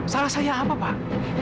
salah saya apa pak